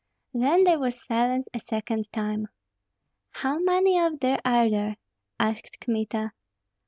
Then there was silence a second time. "How many of them are there?" asked Kmita.